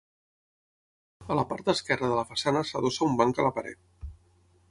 A la part esquerra de la façana s'adossa un banc a la paret.